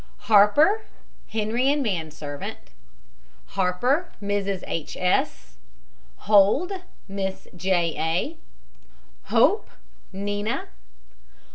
HARPER, HENRY, and man servant. HARPER, MRS. H. S. HOLD, MISS J. A. HOPE, NINA.